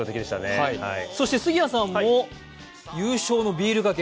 そして、杉谷さんも優勝のビールかけ